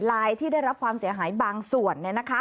ลายที่ได้รับความเสียหายบางส่วน